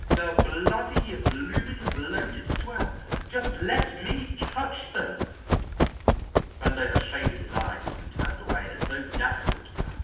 "The bloody, bloomin', bloated swell. Just let me touch them!" Vandover shaded his eyes and turned away as though dazzled.